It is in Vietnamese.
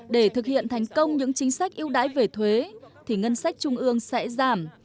để thực hiện thành công những chính sách ưu đãi về thuế thì ngân sách trung ương sẽ giảm